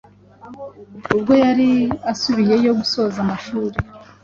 ubwo yari asubiyeyo gusoza amashuri